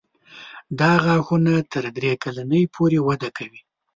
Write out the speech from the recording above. دا غاښونه تر درې کلنۍ پورې وده کوي.